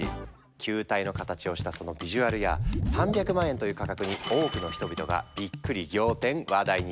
球体の形をしたそのビジュアルや３００万円という価格に多くの人々がびっくり仰天話題に。